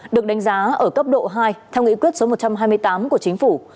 được đánh giá ở cấp độ hai theo nghị quyết số một trăm hai mươi tám của chính phủ